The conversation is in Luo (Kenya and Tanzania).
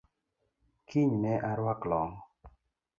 Kiny ne aruak long’